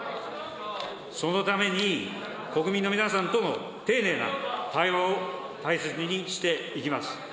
そのために、国民の皆さんとの丁寧な対話を大切にしていきます。